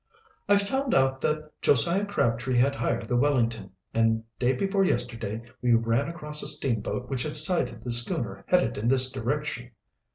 "I found out that Josiah Crabtree had hired the Wellington, and day before yesterday we ran across a steamboat which had sighted the schooner headed in this direction."